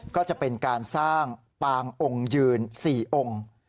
ก็จะเป็นการสร้างปางองค์ยืน๔องค์